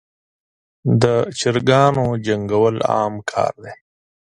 دچراګانو جنګول عام کار دی.